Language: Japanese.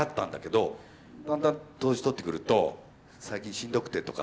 だんだん年取ってくると「最近しんどくて」とか。